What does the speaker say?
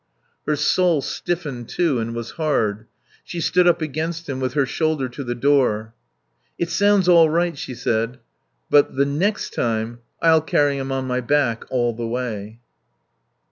Her soul stiffened, too, and was hard. She stood up against him with her shoulder to the door. "It sounds all right," she said. "But the next time I'll carry him on my back all the way."